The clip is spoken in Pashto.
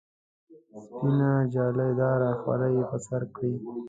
سپینه جالۍ داره خولۍ پر سر کړي.